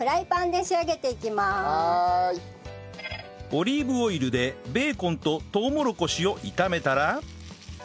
オリーブオイルでベーコンととうもろこしを炒めたら